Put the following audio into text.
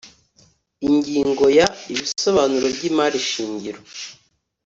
ingingo ya ibisobanuro by imari shingiro